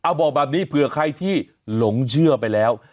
เอาบอกแบบนี้เผื่อใครที่หลงเชื่อไปแล้ว